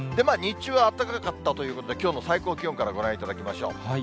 日中はあったかかったということで、きょうの最高気温からご覧いただきましょう。